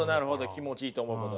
気持ちいいと思うこと。